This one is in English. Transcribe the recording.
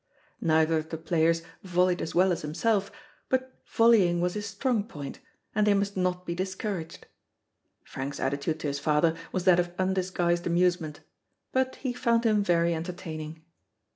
Neither of the players volleyed as well as himself, but volleying was his strong point, and they must not be discouraged. Frank's attitude to his father was that of undisguised amusement; but he found him very entertaining.